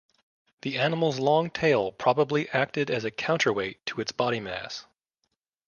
The animal's long tail probably acted as a counterweight to its body mass.